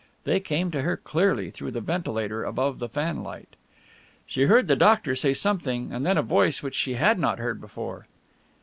They came to her clearly through the ventilator above the fanlight. She heard the doctor say something and then a voice which she had not heard before.